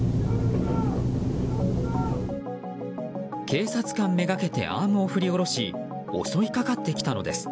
警察官めがけてアームを振り下ろし襲いかかってきたのです。